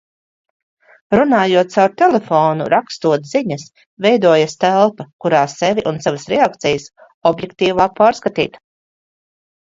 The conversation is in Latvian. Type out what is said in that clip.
Runājot caur telefonu, rakstot ziņas, veidojas telpa, kurā sevi un savas reakcijas objektīvāk pārskatīt.